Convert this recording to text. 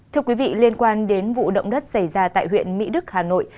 thưa quý vị liên quan đến vụ động đất xảy ra tại huyện mỹ đức hà nội